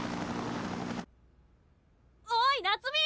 おい夏美！